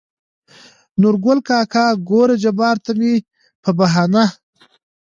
نورګل کاکا: ګوره جباره ته مې په بهانه